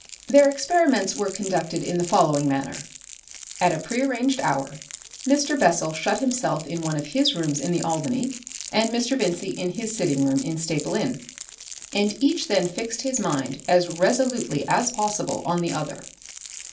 Their experiments were conducted in the following manner: At a pre arranged hour Mr. Bessel shut himself in one of his rooms in the Albany and Mr. Vincey in his sitting room in Staple Inn, and each then fixed his mind as resolutely as possible on the other.